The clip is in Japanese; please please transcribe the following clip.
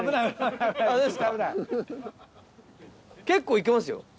結構行けますよ